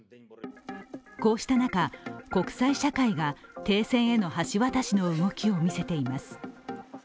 こうした中、国際社会が停戦への橋渡しの動きを見せています。